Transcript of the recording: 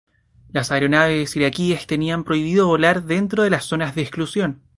Las aeronaves iraquíes tenían prohibido volar dentro de las zonas de exclusión.